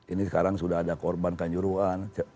ini sekarang sudah ada korban kanjuruhan